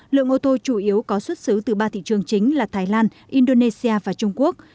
lượng ô tô chủ yếu có xuất xứ từ ba thị trường chính là thái lan indonesia và trung quốc